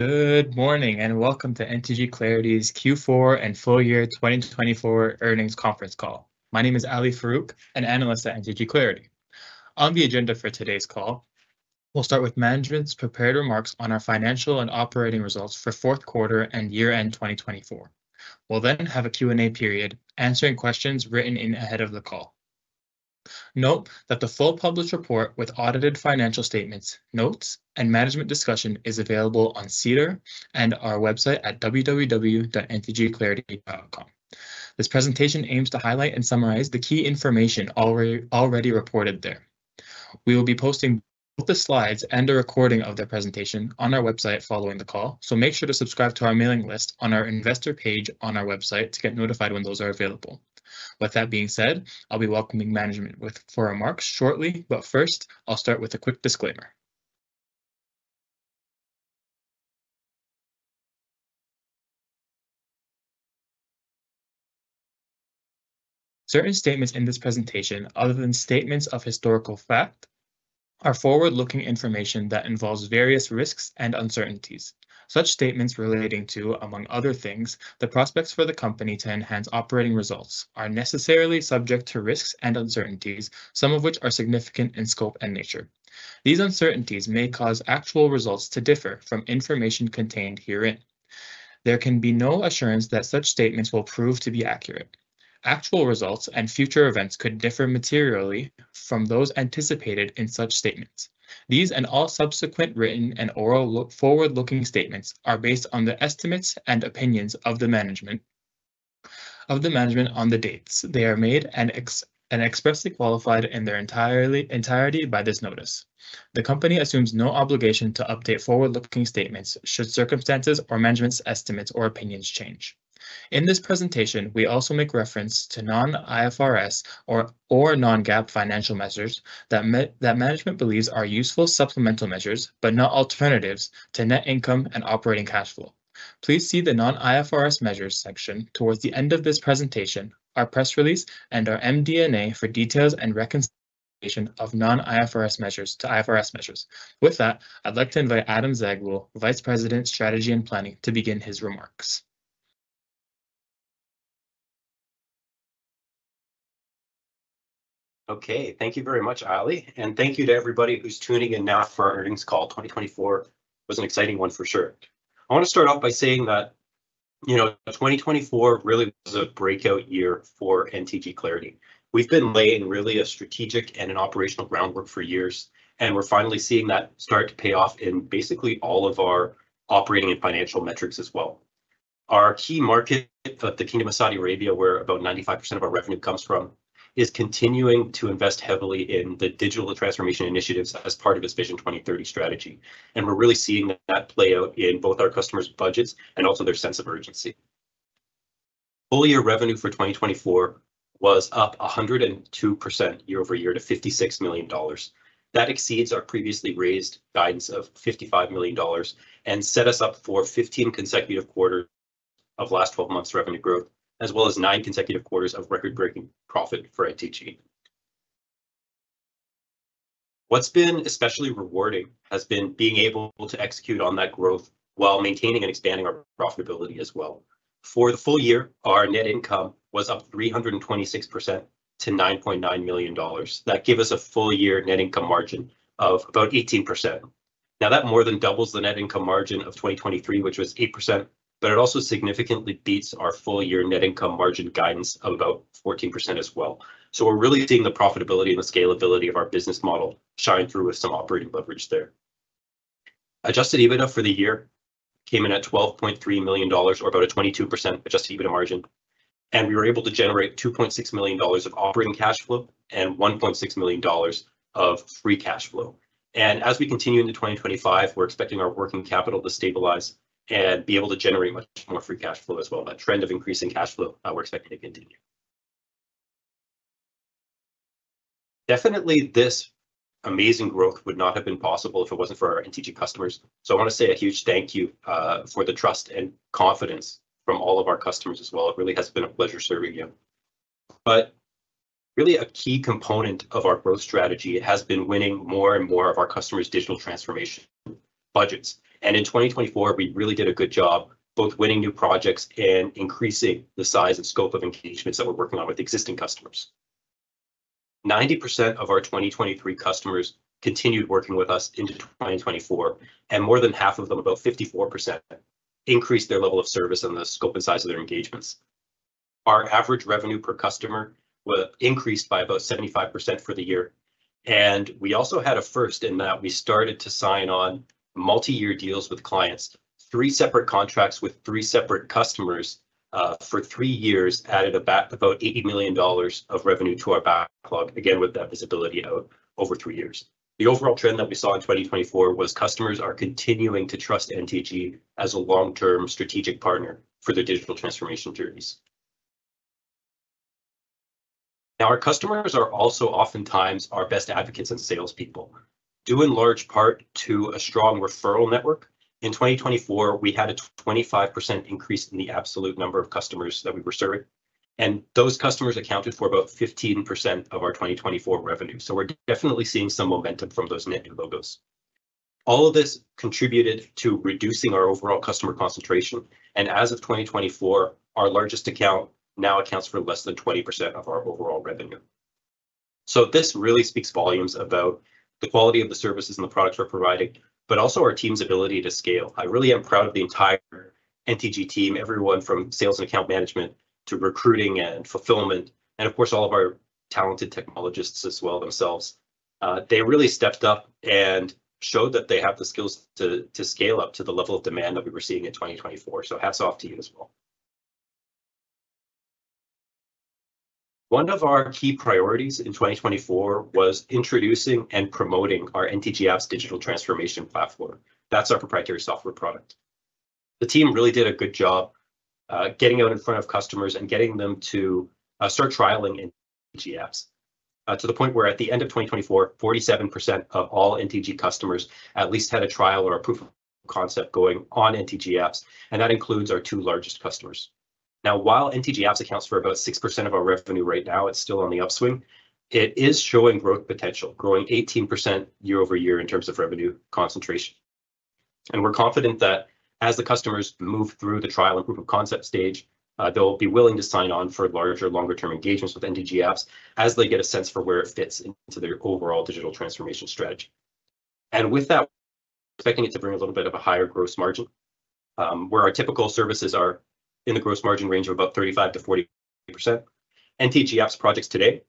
Good morning and welcome to NTG Clarity's Q4 and Full Year 2024 earnings Conference Call. My name is Ali Farouk, an Analyst at NTG Clarity. On the agenda for today's call, we'll start with management's prepared remarks on our financial and operating results for Fourth Quarter and year-end 2024. We'll then have a Q&A period, answering questions written in ahead of the call. Note that the full published report with audited financial statements, notes, and management discussion is available on SEDAR and our website at www.ntgclarity.com. This presentation aims to highlight and summarize the key information already reported there. We will be posting both the slides and a recording of the presentation on our website following the call, so make sure to subscribe to our mailing list on our investor page on our website to get notified when those are available. With that being said, I'll be welcoming management with remarks shortly, but first, I'll start with a quick disclaimer. Certain statements in this presentation, other than statements of historical fact, are forward-looking information that involves various risks and uncertainties. Such statements relating to, among other things, the prospects for the company to enhance operating results are necessarily subject to risks and uncertainties, some of which are significant in scope and nature. These uncertainties may cause actual results to differ from information contained herein. There can be no assurance that such statements will prove to be accurate. Actual results and future events could differ materially from those anticipated in such statements. These and all subsequent written and oral forward-looking statements are based on the estimates and opinions of the management on the dates they are made and expressly qualified in their entirety by this notice. The company assumes no obligation to update forward-looking statements should circumstances or management's estimates or opinions change. In this presentation, we also make reference to non-IFRS or non-GAAP financial measures that management believes are useful supplemental measures, but not alternatives to net income and operating cash flow. Please see the non-IFRS measures section towards the end of this presentation, our press release, and our MD&A for details and reconciliation of non-IFRS measures to IFRS measures. With that, I'd like to invite Adam Zaghloul, Vice President Strategy and Planning, to begin his remarks. Okay, thank you very much, Ali, and thank you to everybody who's tuning in now for our earnings call. 2024 was an exciting one for sure. I want to start off by saying that, you know, 2024 really was a breakout year for NTG Clarity. We've been laying really a strategic and an operational groundwork for years, and we're finally seeing that start to pay off in basically all of our operating and financial metrics as well. Our key market, the Kingdom of Saudi Arabia, where about 95% of our revenue comes from, is continuing to invest heavily in the digital transformation initiatives as part of its Vision 2030 strategy. We're really seeing that play out in both our customers' budgets and also their sense of urgency. Full year revenue for 2024 was up 102% year-overyear to 56 million dollars. That exceeds our previously raised guidance of 55 million dollars and set us up for 15 consecutive quarters of last 12 months' revenue growth, as well as nine consecutive quarters of record-breaking profit for NTG. What's been especially rewarding has been being able to execute on that growth while maintaining and expanding our profitability as well. For the full year, our net income was up 326% to 9.9 million dollars. That gives us a full year net income margin of about 18%. Now, that more than doubles the net income margin of 2023, which was 8%, but it also significantly beats our full year net income margin guidance of about 14% as well. We are really seeing the profitability and the scalability of our business model shine through with some operating leverage there. Adjusted EBITDA for the year came in at 12.3 million dollars, or about a 22% adjusted EBITDA margin, and we were able to generate 2.6 million dollars of operating cash flow and 1.6 million dollars of free cash flow. As we continue into 2025, we are expecting our working capital to stabilize and be able to generate much more free cash flow as well. That trend of increasing cash flow we are expecting to continue. Definitely, this amazing growth would not have been possible if it was not for our NTG customers. I want to say a huge thank you for the trust and confidence from all of our customers as well. It really has been a pleasure serving you. A key component of our growth strategy has been winning more and more of our customers' digital transformation budgets. In 2024, we really did a good job both winning new projects and increasing the size and scope of engagements that we're working on with existing customers. 90% of our 2023 customers continued working with us into 2024, and more than half of them, about 54%, increased their level of service and the scope and size of their engagements. Our average revenue per customer increased by about 75% for the year. We also had a first in that we started to sign on multi-year deals with clients, three separate contracts with three separate customers for three years, added about 80 million dollars of revenue to our backlog, again with that visibility out over three years. The overall trend that we saw in 2024 was customers are continuing to trust NTG as a long-term strategic partner for their digital transformation journeys. Now, our customers are also oftentimes our best advocates and salespeople, due in large part to a strong referral network. In 2024, we had a 25% increase in the absolute number of customers that we were serving, and those customers accounted for about 15% of our 2024 revenue. We are definitely seeing some momentum from those net new logos. All of this contributed to reducing our overall customer concentration, and as of 2024, our largest account now accounts for less than 20% of our overall revenue. This really speaks volumes about the quality of the services and the products we are providing, but also our team's ability to scale. I really am proud of the entire NTG team, everyone from sales and account management to recruiting and fulfillment, and of course, all of our talented technologists as well themselves. They really stepped up and showed that they have the skills to scale up to the level of demand that we were seeing in 2024. Hats off to you as well. One of our key priorities in 2024 was introducing and promoting our NTG Apps digital transformation platform. That's our proprietary software product. The team really did a good job getting out in front of customers and getting them to start trialing NTG Apps to the point where at the end of 2024, 47% of all NTG customers at least had a trial or a proof of concept going on NTG Apps, and that includes our two largest customers. Now, while NTG Apps accounts for about 6% of our revenue right now, it's still on the upswing, it is showing growth potential, growing 18% year-over-year in terms of revenue concentration. We are confident that as the customers move through the trial and proof of concept stage, they'll be willing to sign on for larger, longer-term engagements with NTG Apps as they get a sense for where it fits into their overall digital transformation strategy. With that, we are expecting it to bring a little bit of a higher gross margin, where our typical services are in the gross margin range of about 35%-40%. NTG Apps projects today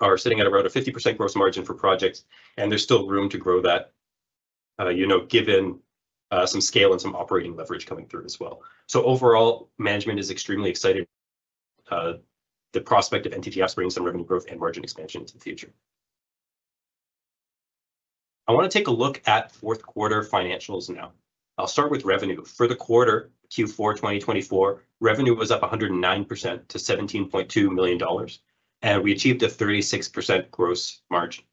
are sitting at around a 50% gross margin for projects, and there's still room to grow that, you know, given some scale and some operating leverage coming through as well. Overall, management is extremely excited about the prospect of NTG Apps bringing some revenue growth and margin expansion into the future. I want to take a look at fourth quarter financials now. I'll start with revenue. For the quarter, Q4 2024, revenue was up 109% to 17.2 million dollars, and we achieved a 36% gross margin.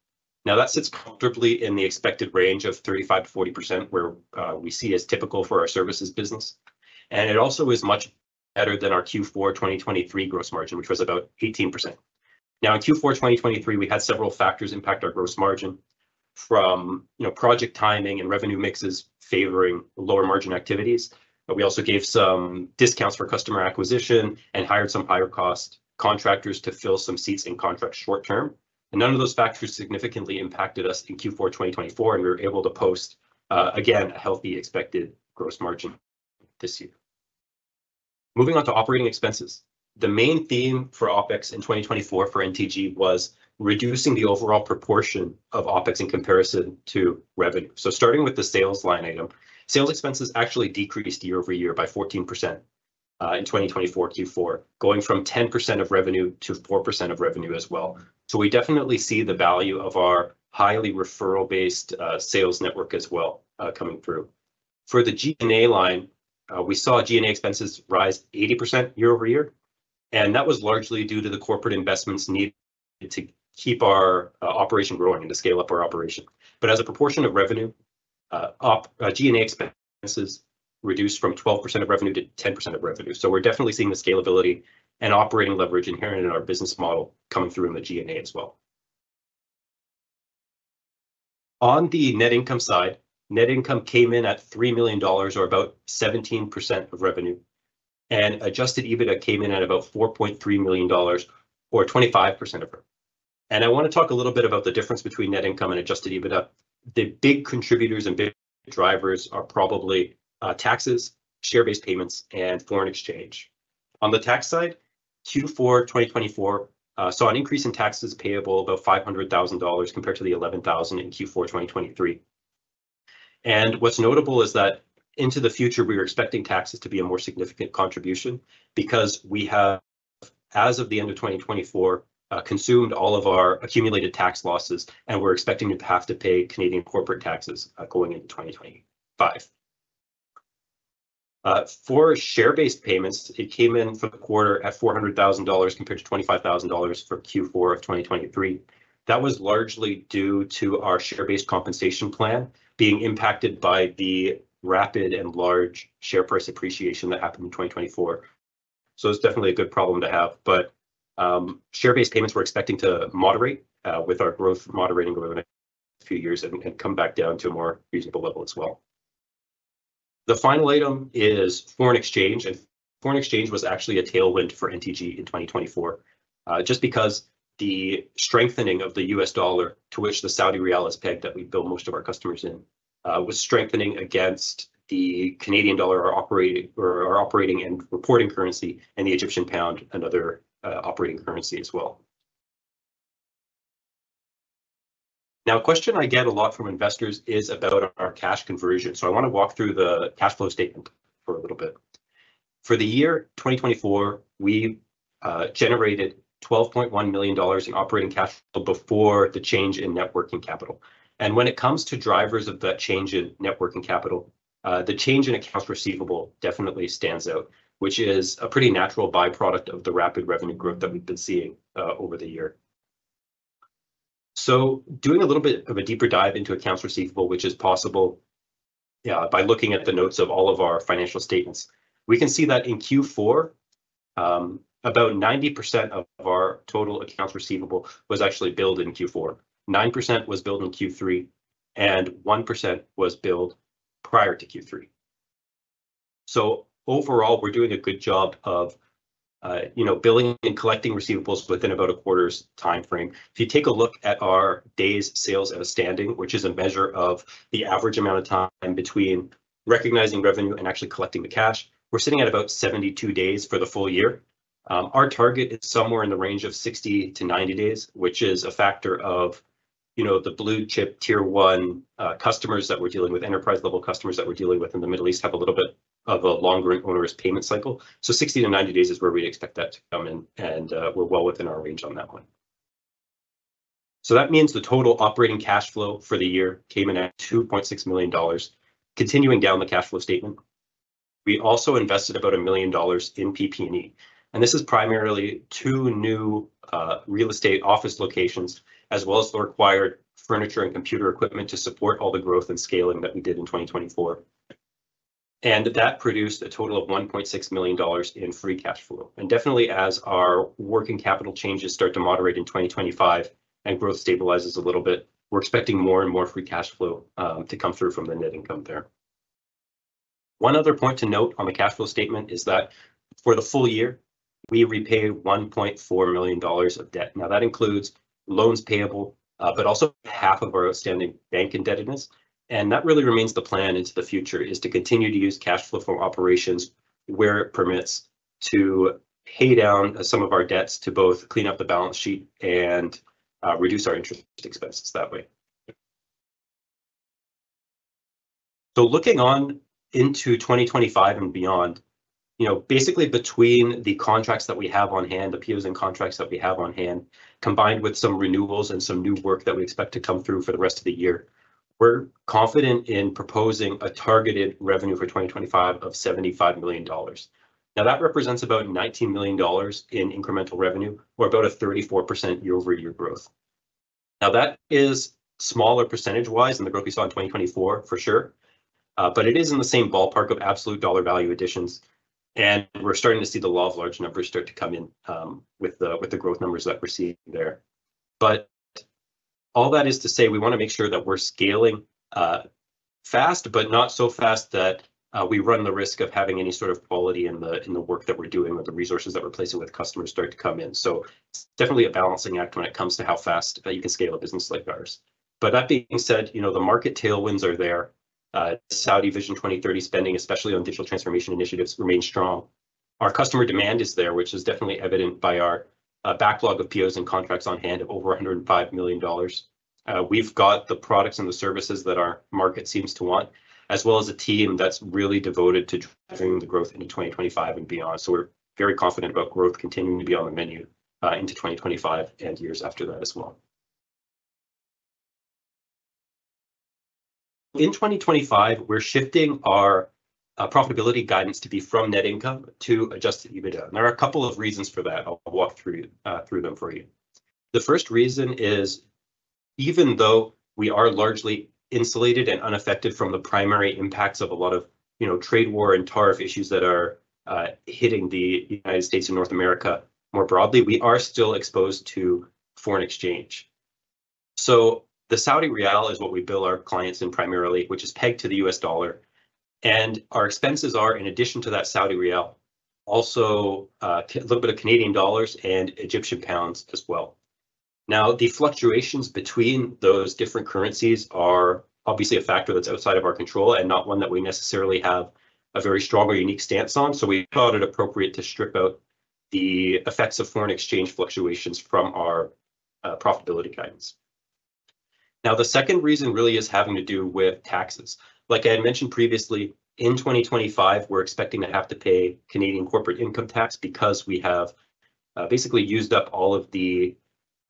That sits comfortably in the expected range of 35%-40%, where we see is typical for our services business. It also is much better than our Q4 2023 gross margin, which was about 18%. In Q4 2023, we had several factors impact our gross margin from, you know, project timing and revenue mixes favoring lower margin activities. We also gave some discounts for customer acquisition and hired some higher-cost contractors to fill some seats in contract short-term. None of those factors significantly impacted us in Q4 2024, and we were able to post, again, a healthy expected gross margin this year. Moving on to operating expenses, the main theme for OpEx in 2024 for NTG was reducing the overall proportion of OpEx in comparison to revenue. Starting with the sales line item, sales expenses actually decreased year-overyear by 14% in 2024 Q4, going from 10% of revenue to 4% of revenue as well. We definitely see the value of our highly referral-based sales network as well coming through. For the G&A line, we saw G&A expenses rise 80% year-overyear, and that was largely due to the corporate investments needed to keep our operation growing and to scale up our operation. As a proportion of revenue, G&A expenses reduced from 12% of revenue to 10% of revenue. We are definitely seeing the scalability and operating leverage inherent in our business model coming through in the G&A as well. On the net income side, net income came in at 3 million dollars, or about 17% of revenue, and adjusted EBITDA came in at about 4.3 million dollars, or 25% of revenue. I want to talk a little bit about the difference between net income and adjusted EBITDA. The big contributors and big drivers are probably taxes, share-based payments, and foreign exchange. On the tax side, Q4 2024 saw an increase in taxes payable of about 500,000 dollars compared to the 11,000 in Q4 2023. What's notable is that into the future, we were expecting taxes to be a more significant contribution because we have, as of the end of 2024, consumed all of our accumulated tax losses, and we're expecting to have to pay Canadian corporate taxes going into 2025. For share-based payments, it came in for the quarter at 400,000 dollars compared to 25,000 dollars for Q4 of 2023. That was largely due to our share-based compensation plan being impacted by the rapid and large share price appreciation that happened in 2024. It is definitely a good problem to have. Share-based payments, we are expecting to moderate with our growth moderating over the next few years and come back down to a more reasonable level as well. The final item is foreign exchange, and foreign exchange was actually a tailwind for NTG in 2024 just because the strengthening of the US dollar to which the Saudi rial is pegged that we bill most of our customers in was strengthening against the Canadian dollar, our operating and reporting currency, and the Egyptian pound, another operating currency as well. A question I get a lot from investors is about our cash conversion. I want to walk through the cash flow statement for a little bit. For the year 2024, we generated 12.1 million dollars in operating cash flow before the change in net working capital. When it comes to drivers of that change in net working capital, the change in accounts receivable definitely stands out, which is a pretty natural byproduct of the rapid revenue growth that we've been seeing over the year. Doing a little bit of a deeper dive into accounts receivable, which is possible by looking at the notes of all of our financial statements, we can see that in Q4, about 90% of our total accounts receivable was actually billed in Q4, 9% was billed in Q3, and 1% was billed prior to Q3. Overall, we're doing a good job of, you know, billing and collecting receivables within about a quarter's time frame. If you take a look at our days sales outstanding, which is a measure of the average amount of time between recognizing revenue and actually collecting the cash, we're sitting at about 72 days for the full year. Our target is somewhere in the range of 60-90 days, which is a factor of, you know, the blue chip tier one customers that we're dealing with, enterprise-level customers that we're dealing with in the Middle East have a little bit of a longer onerous payment cycle. 60-90 days is where we'd expect that to come in, and we're well within our range on that one. That means the total operating cash flow for the year came in at 2.6 million dollars. Continuing down the cash flow statement, we also invested about 1 million dollars in PP&E, and this is primarily two new real estate office locations as well as the required furniture and computer equipment to support all the growth and scaling that we did in 2024. That produced a total of 1.6 million dollars in free cash flow. Definitely, as our working capital changes start to moderate in 2025 and growth stabilizes a little bit, we're expecting more and more free cash flow to come through from the net income there. One other point to note on the cash flow statement is that for the full year, we repaid 1.4 million dollars of debt. That includes loans payable, but also half of our outstanding bank indebtedness. That really remains the plan into the future, to continue to use cash flow for operations where it permits to pay down some of our debts to both clean up the balance sheet and reduce our interest expenses that way. Looking on into 2025 and beyond, you know, basically between the contracts that we have on hand, the POs and contracts that we have on hand, combined with some renewals and some new work that we expect to come through for the rest of the year, we're confident in proposing a targeted revenue for 2025 of 75 million dollars. That represents about 19 million dollars in incremental revenue, or about a 34% year-over-year growth. That is smaller percentage-wise than the growth we saw in 2024, for sure, but it is in the same ballpark of absolute dollar value additions. We're starting to see the law of large numbers start to come in with the growth numbers that we're seeing there. All that is to say, we want to make sure that we're scaling fast, but not so fast that we run the risk of having any sort of quality in the work that we're doing or the resources that we're placing with customers start to come in. It's definitely a balancing act when it comes to how fast you can scale a business like ours. That being said, you know, the market tailwinds are there. Saudi Vision 2030 spending, especially on digital transformation initiatives, remains strong. Our customer demand is there, which is definitely evident by our backlog of POs and contracts on hand of over 105 million dollars. We've got the products and the services that our market seems to want, as well as a team that's really devoted to driving the growth into 2025 and beyond. We are very confident about growth continuing to be on the menu into 2025 and years after that as well. In 2025, we're shifting our profitability guidance to be from net income to adjusted EBITDA. There are a couple of reasons for that. I'll walk through them for you. The first reason is, even though we are largely insulated and unaffected from the primary impacts of a lot of, you know, trade war and tariff issues that are hitting the United States and North America more broadly, we are still exposed to foreign exchange. The Saudi rial is what we bill our clients in primarily, which is pegged to the US dollar. Our expenses are, in addition to that Saudi rial, also a little bit of Canadian dollars and Egyptian pounds as well. The fluctuations between those different currencies are obviously a factor that's outside of our control and not one that we necessarily have a very strong or unique stance on. We thought it appropriate to strip out the effects of foreign exchange fluctuations from our profitability guidance. The second reason really is having to do with taxes. Like I had mentioned previously, in 2025, we're expecting to have to pay Canadian corporate income tax because we have basically used up all of the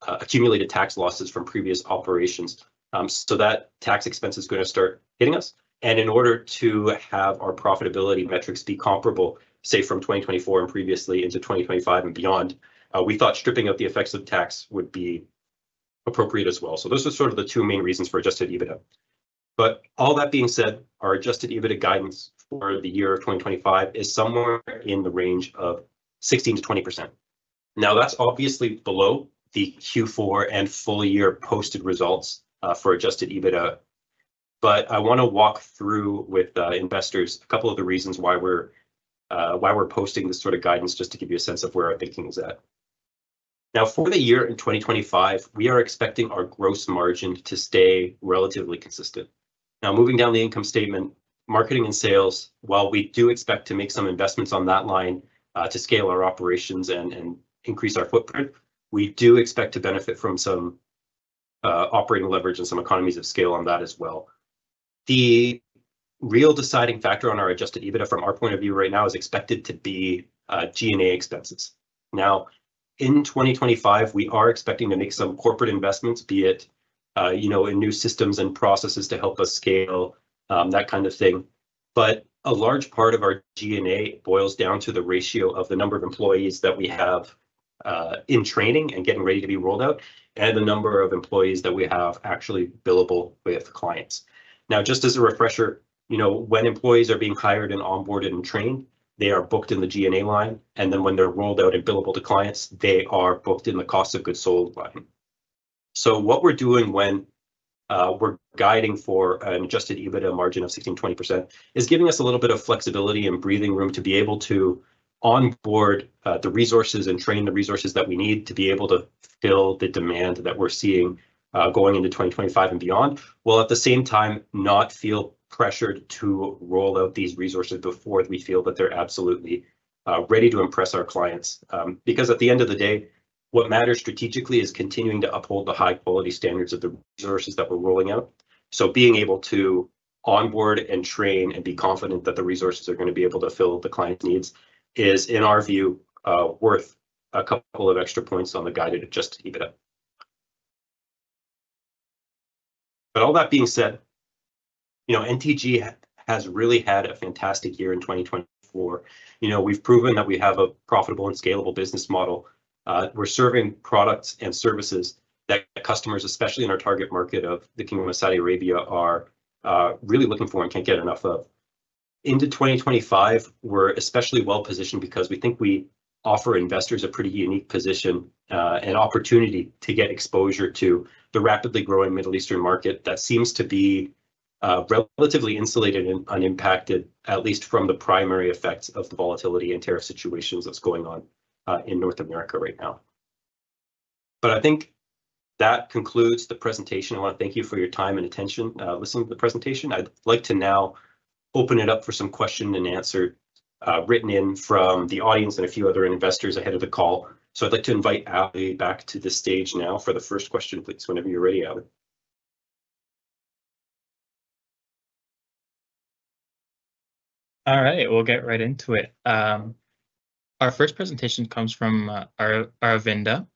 accumulated tax losses from previous operations. That tax expense is going to start hitting us. In order to have our profitability metrics be comparable, say, from 2024 and previously into 2025 and beyond, we thought stripping out the effects of tax would be appropriate as well. Those are sort of the two main reasons for adjusted EBITDA. All that being said, our adjusted EBITDA guidance for the year of 2025 is somewhere in the range of 16%-20%. That is obviously below the Q4 and full-year posted results for adjusted EBITDA. I want to walk through with investors a couple of the reasons why we are posting this sort of guidance, just to give you a sense of where our thinking is at. For the year in 2025, we are expecting our gross margin to stay relatively consistent. Now, moving down the income statement, marketing and sales, while we do expect to make some investments on that line to scale our operations and increase our footprint, we do expect to benefit from some operating leverage and some economies of scale on that as well. The real deciding factor on our adjusted EBITDA, from our point of view right now, is expected to be G&A expenses. Now, in 2025, we are expecting to make some corporate investments, be it, you know, in new systems and processes to help us scale, that kind of thing. But a large part of our G&A boils down to the ratio of the number of employees that we have in training and getting ready to be rolled out and the number of employees that we have actually billable with clients. Now, just as a refresher, you know, when employees are being hired and onboarded and trained, they are booked in the G&A line. And then when they're rolled out and billable to clients, they are booked in the cost of goods sold line. What we're doing when we're guiding for an adjusted EBITDA margin of 16%-20% is giving us a little bit of flexibility and breathing room to be able to onboard the resources and train the resources that we need to be able to fill the demand that we're seeing going into 2025 and beyond, while at the same time not feel pressured to roll out these resources before we feel that they're absolutely ready to impress our clients. Because at the end of the day, what matters strategically is continuing to uphold the high-quality standards of the resources that we're rolling out. Being able to onboard and train and be confident that the resources are going to be able to fill the client's needs is, in our view, worth a couple of extra points on the guided adjusted EBITDA. All that being said, you know, NTG has really had a fantastic year in 2024. You know, we've proven that we have a profitable and scalable business model. We're serving products and services that customers, especially in our target market of the Kingdom of Saudi Arabia, are really looking for and can't get enough of. Into 2025, we're especially well-positioned because we think we offer investors a pretty unique position and opportunity to get exposure to the rapidly growing Middle Eastern market that seems to be relatively insulated and unimpacted, at least from the primary effects of the volatility and tariff situations that's going on in North America right now. I think that concludes the presentation. I want to thank you for your time and attention listening to the presentation. I'd like to now open it up for some question and answer written in from the audience and a few other investors ahead of the call. I'd like to invite Ali back to the stage now for the first question, please, whenever you're ready, Ali. All right, we'll get right into it. Our first presentation comes from Aravinda,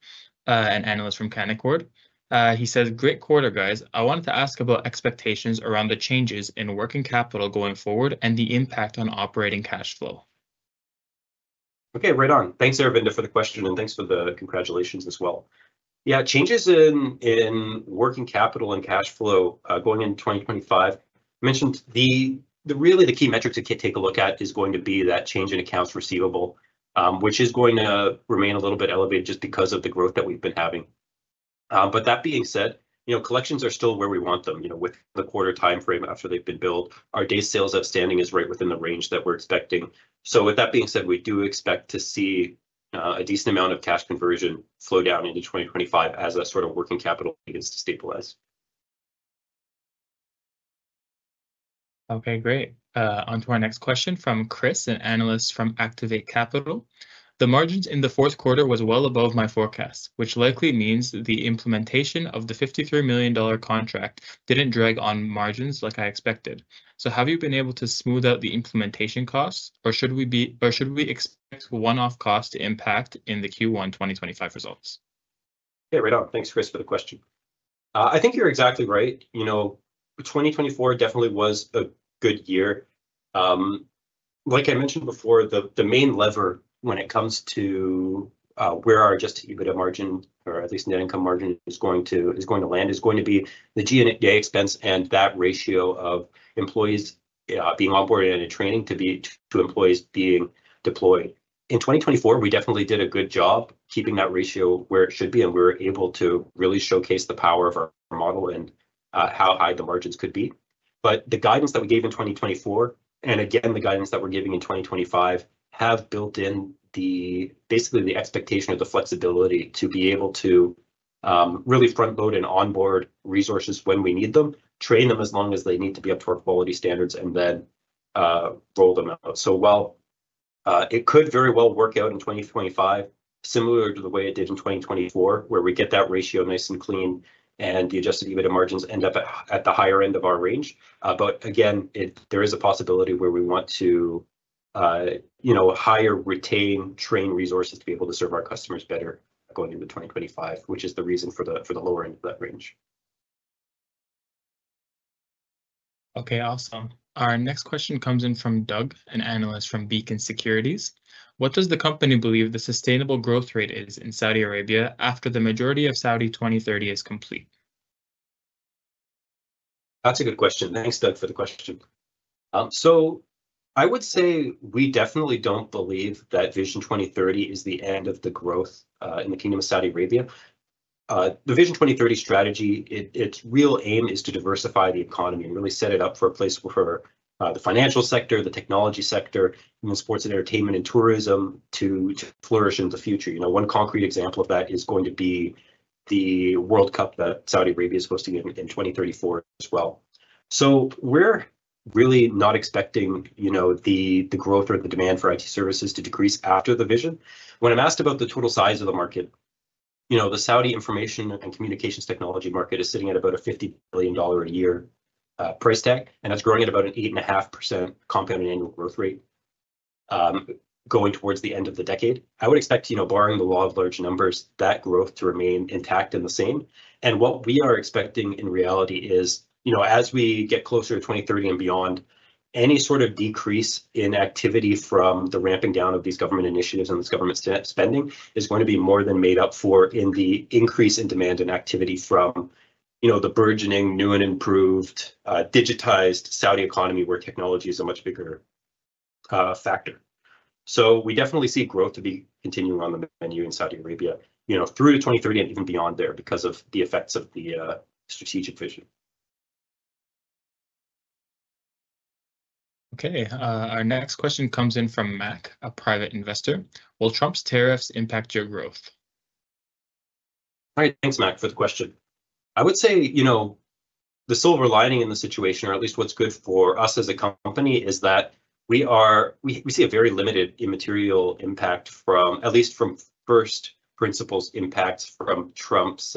an analyst from Canaccord Genuity. He says, "Great quarter, guys. I wanted to ask about expectations around the changes in working capital going forward and the impact on operating cash flow." Okay, right on. Thanks, Aravinda, for the question, and thanks for the congratulations as well. Yeah, changes in working capital and cash flow going into 2025. I mentioned the really the key metrics we can take a look at is going to be that change in accounts receivable, which is going to remain a little bit elevated just because of the growth that we've been having. That being said, you know, collections are still where we want them, you know, with the quarter timeframe after they've been billed. Our days sales outstanding is right within the range that we're expecting. That being said, we do expect to see a decent amount of cash conversion slow down into 2025 as that sort of working capital begins to stabilize. Okay, great. On to our next question from Chris, an analyst from Activate Capital. "The margins in the fourth quarter were well above my forecast, which likely means the implementation of the $53 million contract didn't drag on margins like I expected. Have you been able to smooth out the implementation costs, or should we expect one-off cost impact in the Q1 2025 results? Yeah, right on. Thanks, Chris, for the question. I think you're exactly right. You know, 2024 definitely was a good year. Like I mentioned before, the main lever when it comes to where our adjusted EBITDA margin, or at least net income margin, is going to land is going to be the G&A expense and that ratio of employees being onboarded and training to employees being deployed. In 2024, we definitely did a good job keeping that ratio where it should be, and we were able to really showcase the power of our model and how high the margins could be. The guidance that we gave in 2024, and again, the guidance that we're giving in 2025, have built in basically the expectation of the flexibility to be able to really front-load and onboard resources when we need them, train them as long as they need to be up to our quality standards, and then roll them out. While it could very well work out in 2025, similar to the way it did in 2024, where we get that ratio nice and clean and the adjusted EBITDA margins end up at the higher end of our range, there is a possibility where we want to, you know, hire, retain, train resources to be able to serve our customers better going into 2025, which is the reason for the lower end of that range. Okay, awesome. Our next question comes in from Doug, an analyst from Beacon Securities. "What does the company believe the sustainable growth rate is in Saudi Arabia after the majority of Saudi 2030 is complete?" That's a good question. Thanks, Doug, for the question. I would say we definitely don't believe that Vision 2030 is the end of the growth in the Kingdom of Saudi Arabia. The Vision 2030 strategy, its real aim is to diversify the economy and really set it up for a place where the financial sector, the technology sector, and the sports and entertainment and tourism to flourish into the future. You know, one concrete example of that is going to be the World Cup that Saudi Arabia is hosting in 2034 as well. We're really not expecting, you know, the growth or the demand for IT services to decrease after the vision. When I'm asked about the total size of the market, you know, the Saudi information and communications technology market is sitting at about $50 billion a year price tag, and that's growing at about an 8.5% compound annual growth rate going towards the end of the decade. I would expect, you know, barring the law of large numbers, that growth to remain intact and the same. What we are expecting in reality is, you know, as we get closer to 2030 and beyond, any sort of decrease in activity from the ramping down of these government initiatives and this government spending is going to be more than made up for in the increase in demand and activity from, you know, the burgeoning, new and improved, digitized Saudi economy where technology is a much bigger factor. We definitely see growth to be continuing on the menu in Saudi Arabia, you know, through 2030 and even beyond there because of the effects of the strategic vision. Okay, our next question comes in from Mac, a private investor. "Will Trump's tariffs impact your growth?" All right, thanks, Mac, for the question. I would say, you know, the silver lining in the situation, or at least what's good for us as a company, is that we see a very limited immaterial impact from, at least from first principles impacts from Trump's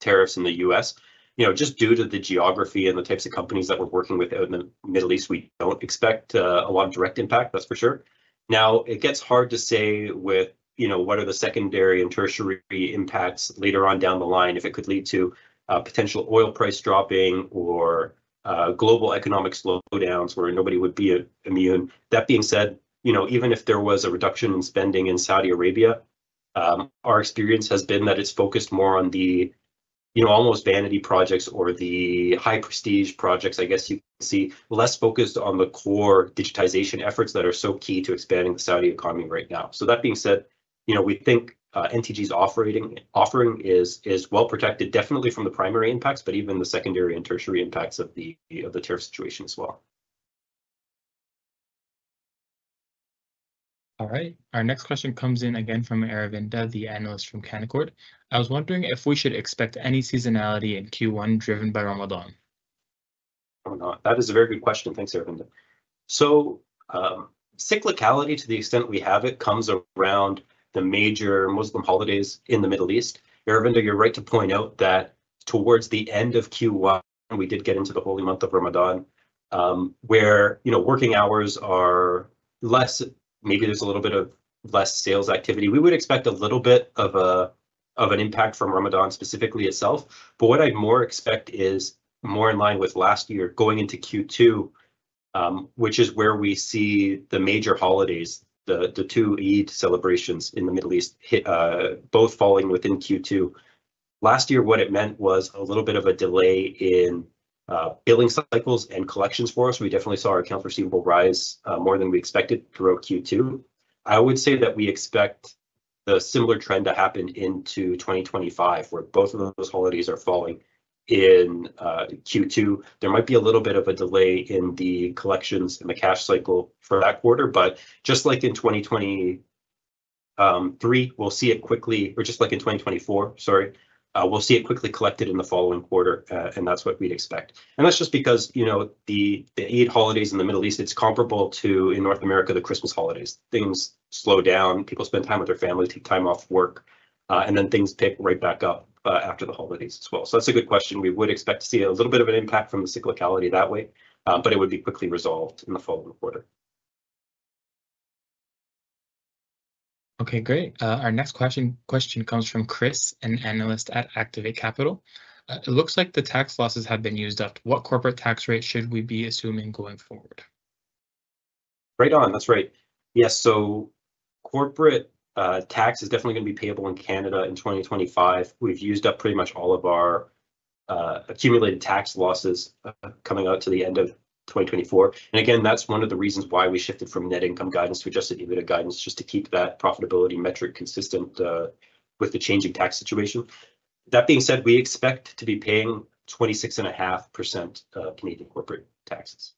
tariffs in the U.S. You know, just due to the geography and the types of companies that we're working with out in the Middle East, we don't expect a lot of direct impact, that's for sure. Now, it gets hard to say with, you know, what are the secondary and tertiary impacts later on down the line if it could lead to potential oil price dropping or global economic slowdowns where nobody would be immune. That being said, you know, even if there was a reduction in spending in Saudi Arabia, our experience has been that it's focused more on the, you know, almost vanity projects or the high-prestige projects, I guess you can see, less focused on the core digitization efforts that are so key to expanding the Saudi economy right now. That being said, you know, we think NTG's offering is well protected, definitely from the primary impacts, but even the secondary and tertiary impacts of the tariff situation as well. All right, our next question comes in again from Aravinda, the analyst from Canaccord Genuity. I was wondering if we should expect any seasonality in Q1 driven by Ramadan?" That is a very good question. Thanks, Aravinda. Cyclicality, to the extent we have it, comes around the major Muslim holidays in the Middle East. Arvind, you're right to point out that towards the end of Q1, we did get into the holy month of Ramadan, where, you know, working hours are less, maybe there's a little bit of less sales activity. We would expect a little bit of an impact from Ramadan specifically itself. What I'd more expect is more in line with last year going into Q2, which is where we see the major holidays, the two Eid celebrations in the Middle East, both falling within Q2. Last year, what it meant was a little bit of a delay in billing cycles and collections for us. We definitely saw our accounts receivable rise more than we expected throughout Q2. I would say that we expect a similar trend to happen into 2025, where both of those holidays are falling in Q2. There might be a little bit of a delay in the collections and the cash cycle for that quarter, but just like in 2023, we'll see it quickly, or just like in 2024, sorry, we'll see it quickly collected in the following quarter, and that's what we'd expect. That's just because, you know, the Eid holidays in the Middle East, it's comparable to in North America, the Christmas holidays. Things slow down, people spend time with their family, take time off work, and then things pick right back up after the holidays as well. That's a good question. We would expect to see a little bit of an impact from the cyclicality that way, but it would be quickly resolved in the following quarter. Okay, great. Our next question comes from Chris, an analyst at Activate Capital. "It looks like the tax losses have been used up. What corporate tax rate should we be assuming going forward?" Right on, that's right. Yes, so corporate tax is definitely going to be payable in Canada in 2025. We've used up pretty much all of our accumulated tax losses coming out to the end of 2024. Again, that's one of the reasons why we shifted from net income guidance to adjusted EBITDA guidance, just to keep that profitability metric consistent with the changing tax situation. That being said, we expect to be paying 26.5% Canadian corporate taxes.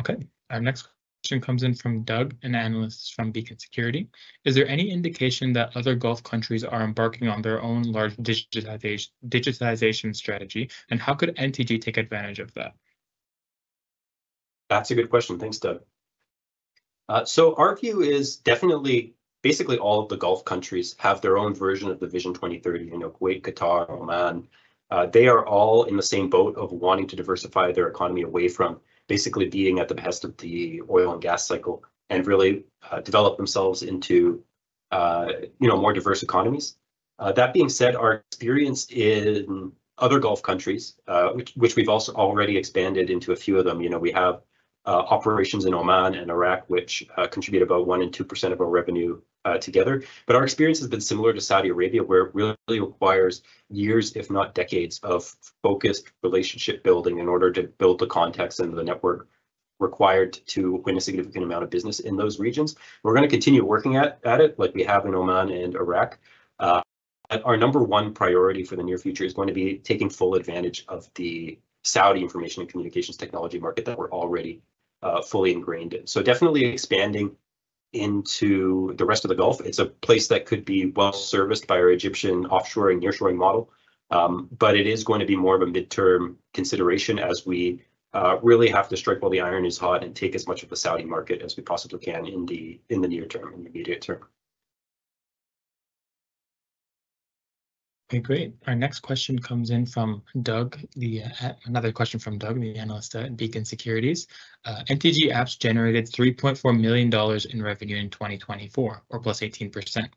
Okay, our next question comes in from Doug, an analyst from Beacon Securities. Is there any indication that other Gulf countries are embarking on their own large digitization strategy, and how could NTG take advantage of that?" That's a good question. Thanks, Doug. Our view is definitely basically all of the Gulf countries have their own version of the Vision 2030. You know, Kuwait, Qatar, Oman, they are all in the same boat of wanting to diversify their economy away from basically being at the best of the oil and gas cycle and really develop themselves into, you know, more diverse economies. That being said, our experience in other Gulf countries, which we've also already expanded into a few of them, you know, we have operations in Oman and Iraq, which contribute about 1% and 2% of our revenue together. Our experience has been similar to Saudi Arabia, where it really requires years, if not decades, of focused relationship building in order to build the context and the network required to win a significant amount of business in those regions. We're going to continue working at it, like we have in Oman and Iraq. Our number one priority for the near future is going to be taking full advantage of the Saudi information and communications technology market that we're already fully ingrained in. Definitely expanding into the rest of the Gulf. It's a place that could be well serviced by our Egyptian offshoring nearshoring model, but it is going to be more of a midterm consideration as we really have to strike while the iron is hot and take as much of the Saudi market as we possibly can in the near term, in the immediate term. Okay, great. Our next question comes in from Doug, another question from Doug, the analyst at Beacon Securities. "NTG Apps generated 3.4 million dollars in revenue in 2024, or plus 18%.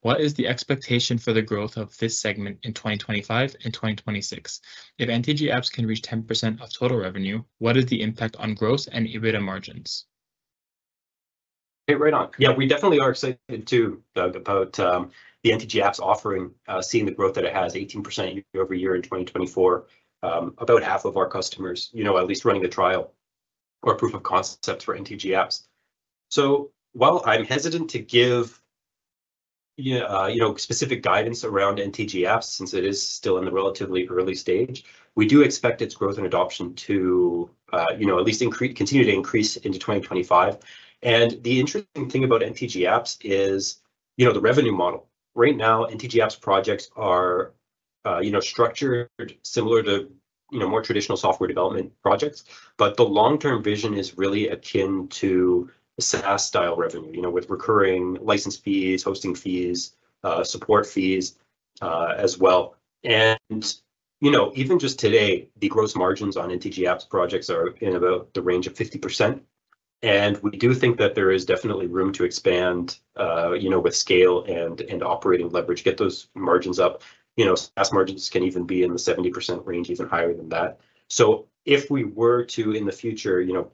What is the expectation for the growth of this segment in 2025 and 2026? If NTG Apps can reach 10% of total revenue, what is the impact on growth and EBITDA margins?" Okay, right on. Yeah, we definitely are excited too, Doug, about the NTG Apps offering, seeing the growth that it has, 18% year-overyear in 2024, about half of our customers, you know, at least running the trial or proof of concept for NTG Apps. While I'm hesitant to give, you know, specific guidance around NTG Apps, since it is still in the relatively early stage, we do expect its growth and adoption to, you know, at least continue to increase into 2025. The interesting thing about NTG Apps is, you know, the revenue model. Right now, NTG Apps projects are, you know, structured similar to, you know, more traditional software development projects, but the long-term vision is really akin to SaaS-style revenue, you know, with recurring license fees, hosting fees, support fees as well. You know, even just today, the gross margins on NTG Apps projects are in about the range of 50%. We do think that there is definitely room to expand, you know, with scale and operating leverage, get those margins up. You know, SaaS margins can even be in the 70% range, even higher than that. If we were to, in the future, you know,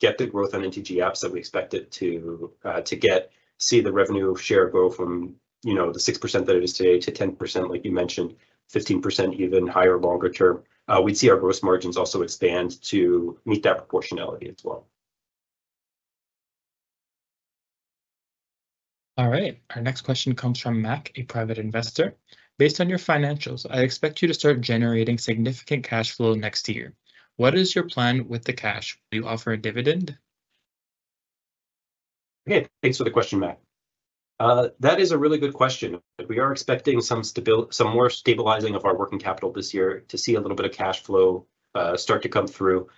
get the growth on NTG Apps that we expect it to to get, see the revenue share go from, you know, the 6% that it is today to 10%, like you mentioned, 15% even higher longer term, we would see our gross margins also expand to meet that proportionality as well. All right, our next question comes from Mac, a private investor. "Based on your financials, I expect you to start generating significant cash flow next year. What is your plan with the cash? Will you offer a dividend? Okay, thanks for the question, Mac. That is a really good question. We are expecting some more stabilizing of our working capital this year to see a little bit of cash flow start to come through.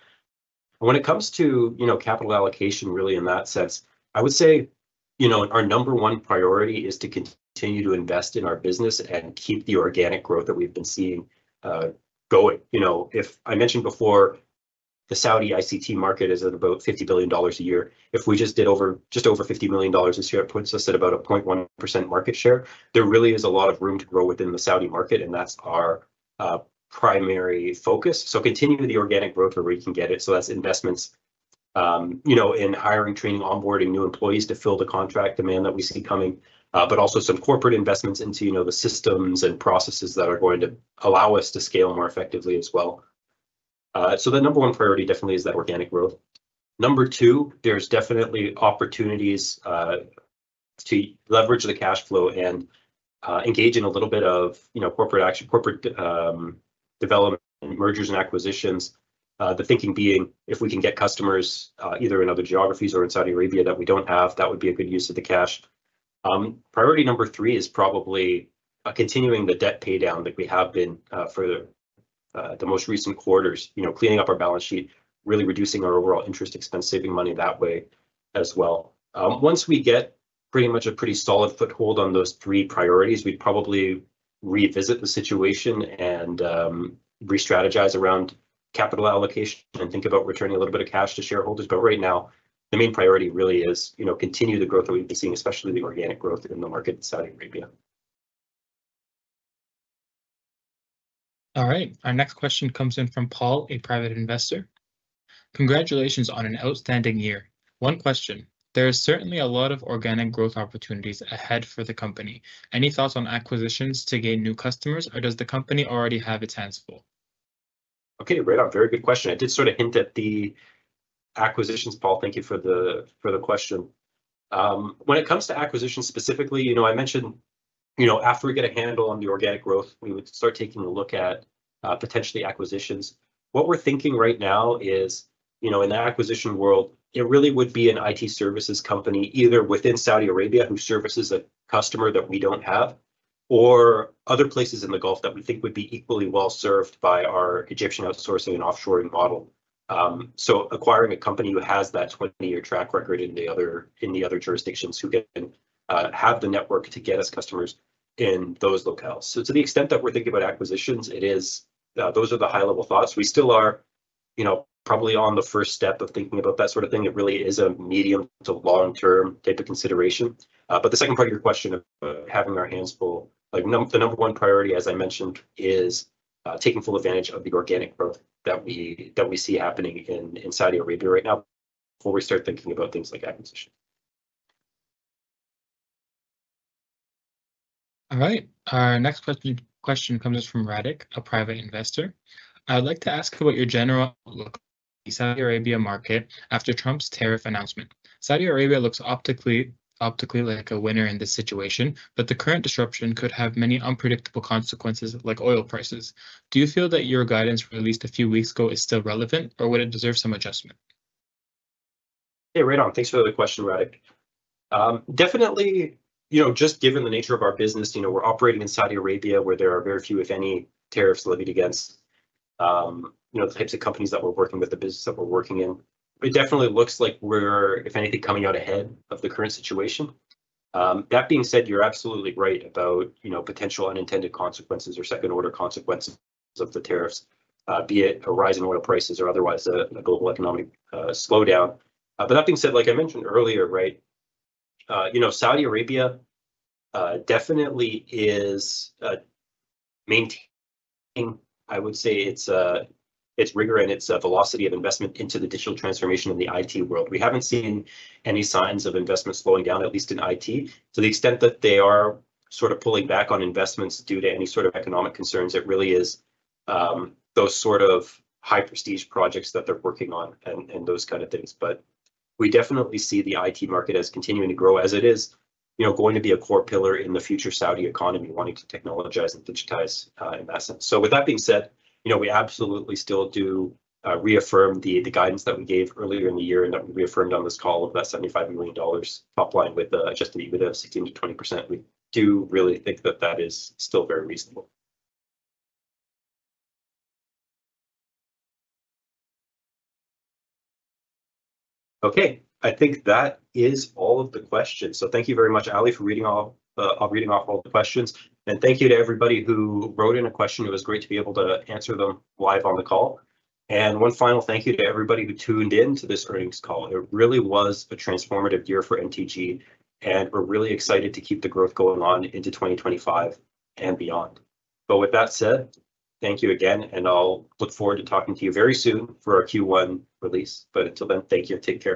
When it comes to, you know, capital allocation, really in that sense, I would say, you know, our number one priority is to continue to invest in our business and keep the organic growth that we've been seeing going. You know, if I mentioned before, the Saudi ICT market is at about $50 billion a year. If we just did just over $50 million this year, it puts us at about a 0.1% market share. There really is a lot of room to grow within the Saudi market, and that's our primary focus. Continue the organic growth where we can get it. That's investments, you know, in hiring, training, onboarding new employees to fill the contract demand that we see coming, but also some corporate investments into, you know, the systems and processes that are going to allow us to scale more effectively as well. The number one priority definitely is that organic growth. Number two, there's definitely opportunities to leverage the cash flow and engage in a little bit of, you know, corporate action, corporate development, mergers and acquisitions. The thinking being, if we can get customers either in other geographies or in Saudi Arabia that we don't have, that would be a good use of the cash. Priority number three is probably continuing the debt paydown that we have been for the most recent quarters, you know, cleaning up our balance sheet, really reducing our overall interest expense, saving money that way as well. Once we get pretty much a pretty solid foothold on those three priorities, we'd probably revisit the situation and restrategize around capital allocation and think about returning a little bit of cash to shareholders. Right now, the main priority really is, you know, continue the growth that we've been seeing, especially the organic growth in the market in Saudi Arabia. All right, our next question comes in from Paul, a private investor. "Congratulations on an outstanding year. One question, there is certainly a lot of organic growth opportunities ahead for the company. Any thoughts on acquisitions to gain new customers, or does the company already have its hands full?" Okay, right on, very good question. I did sort of hint at the acquisitions, Paul, thank you for the question. When it comes to acquisitions specifically, you know, I mentioned, you know, after we get a handle on the organic growth, we would start taking a look at potentially acquisitions. What we're thinking right now is, you know, in the acquisition world, it really would be an IT services company either within Saudi Arabia who services a customer that we don't have or other places in the Gulf that we think would be equally well served by our Egyptian outsourcing and offshoring model. Acquiring a company who has that 20-year track record in the other jurisdictions who can have the network to get us customers in those locales. To the extent that we're thinking about acquisitions, those are the high-level thoughts. We still are, you know, probably on the first step of thinking about that sort of thing. It really is a medium to long-term type of consideration. The second part of your question of having our hands full, like the number one priority, as I mentioned, is taking full advantage of the organic growth that we see happening in Saudi Arabia right now before we start thinking about things like acquisitions. All right, our next question comes in from Radhik, a private investor. "I would like to ask about your general look at the Saudi Arabia market after Trump's tariff announcement. Saudi Arabia looks optically like a winner in this situation, but the current disruption could have many unpredictable consequences like oil prices. Do you feel that your guidance released a few weeks ago is still relevant, or would it deserve some adjustment?" Okay, right on, thanks for the question, Radhik. Definitely, you know, just given the nature of our business, you know, we're operating in Saudi Arabia where there are very few, if any, tariffs levied against, you know, the types of companies that we're working with, the business that we're working in. It definitely looks like we're, if anything, coming out ahead of the current situation. That being said, you're absolutely right about, you know, potential unintended consequences or second-order consequences of the tariffs, be it a rise in oil prices or otherwise a global economic slowdown. That being said, like I mentioned earlier, right, you know, Saudi Arabia definitely is maintaining, I would say, its rigor and its velocity of investment into the digital transformation in the IT world. We haven't seen any signs of investments slowing down, at least in IT. To the extent that they are sort of pulling back on investments due to any sort of economic concerns, it really is those sort of high-prestige projects that they're working on and those kind of things. We definitely see the IT market as continuing to grow as it is, you know, going to be a core pillar in the future Saudi economy, wanting to technologize and digitize in that sense. With that being said, you know, we absolutely still do reaffirm the guidance that we gave earlier in the year and that we reaffirmed on this call of that $75 million top line with just an EBITDA of 16%-20%. We do really think that that is still very reasonable. I think that is all of the questions. Thank you very much, Ali, for reading all of the questions. Thank you to everybody who wrote in a question. It was great to be able to answer them live on the call. One final thank you to everybody who tuned in to this earnings call. It really was a transformative year for NTG, and we're really excited to keep the growth going on into 2025 and beyond. With that said, thank you again, and I'll look forward to talking to you very soon for our Q1 release. Until then, thank you, take care.